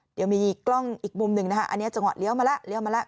เดี๋ยวมีกล้องอีกมุมหนึ่งนะคะอันนี้จังหวะเลี้ยวมาแล้วเลี้ยวมาแล้ว